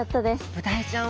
ブダイちゃん